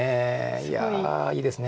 いやいいですね。